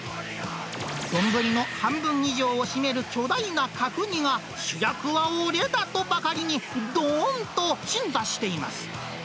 丼の半分以上を占める巨大な角煮が、主役は俺だとばかりに、どーんと鎮座しています。